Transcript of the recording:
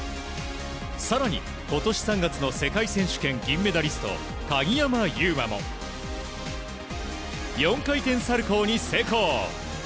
更に、今年３月の世界選手権銀メダリスト鍵山優真も４回転サルコウに成功。